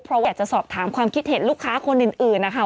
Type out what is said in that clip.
เพราะอยากจะสอบถามความคิดเห็นลูกค้าคนอื่นนะคะ